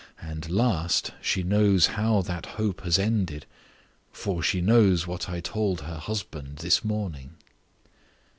And last, she knows how that hope has ended; for she knows what I told her husband this morning."